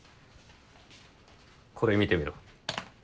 これ見てみろ。